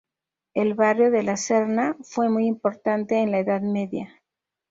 El barrio de la Serna fue muy importante en la Edad Media.